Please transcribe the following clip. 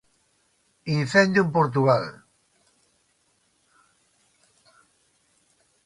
Incendio en Portugal.